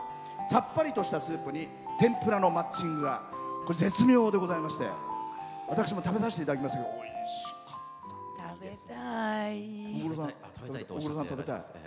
さっぱりとしたスープに天ぷらのマッチングが絶妙でございまして私も食べさせていただきましたけどおいしかったですね。